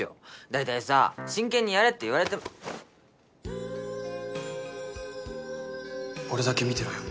大体さ真剣にやれって言われても俺だけ見てろよ